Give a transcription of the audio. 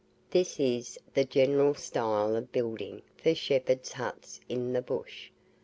This is the general style of building for shepherds' huts in the bush.